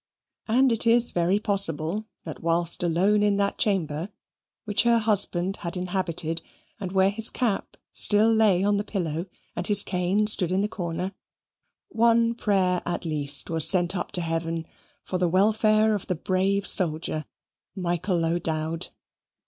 And it is very possible that whilst alone in that chamber, which her husband had inhabited, and where his cap still lay on the pillow, and his cane stood in the corner, one prayer at least was sent up to Heaven for the welfare of the brave soldier, Michael O'Dowd.